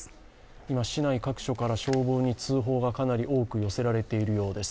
今、市内各所から消防に通報がかなり多く寄せられているようです。